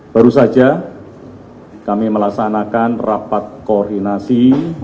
baru saja kami melaksanakan rapat koordinasi